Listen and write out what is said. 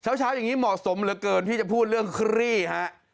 เช้าอย่างนี้เหมาะสมเหลือเกินที่จะพูดเรื่องคลี่ฮะ